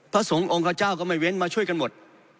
พระสงฆ์องค์ขเจ้าก็ไม่เว้นมาช่วยกันหมด